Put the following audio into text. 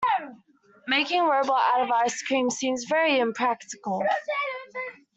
Making a robot out of ice cream seems very impractical.